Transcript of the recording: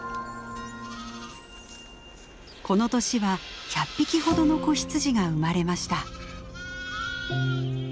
この年は１００匹ほどの子羊が生まれました。